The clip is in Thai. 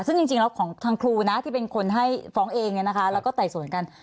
ซึ่งจริงแล้วของทางครูนะที่เป็นคนให้ฟ้องเองแล้วก็ไต่สวนกัน